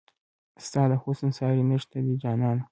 ستا د حسن ساری نشته دی جانانه